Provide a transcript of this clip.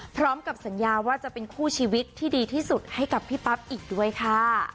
พร้อมกับสัญญาว่าจะเป็นคู่ชีวิตที่ดีที่สุดให้กับพี่ปั๊บอีกด้วยค่ะ